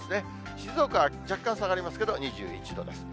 静岡は若干下がりますけど、２１度です。